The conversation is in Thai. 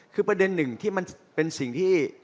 คือประเด็นหนึ่งที่มันเป็นสิ่งที่